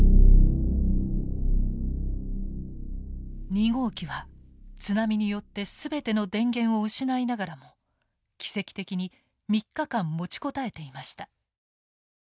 ２号機は津波によって全ての電源を失いながらも奇跡的に３日間持ちこたえていました。